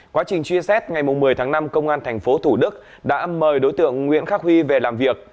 quá trình truy xét ngày một mươi tháng năm công an tp thủ đức đã mời đối tượng nguyễn khắc huy về làm việc